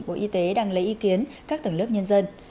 bộ y tế đang lấy ý kiến các tầng lớp nhân dân